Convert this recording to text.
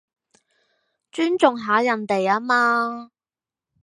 尊重下人哋吖嘛